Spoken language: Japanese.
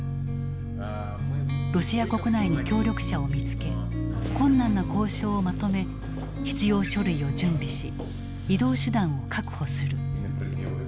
ロシア国内に協力者を見つけ困難な交渉をまとめ必要書類を準備し移動手段を確保する。